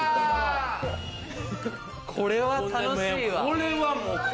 これは楽しいわ。